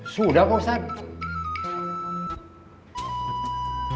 sudah kok ustadz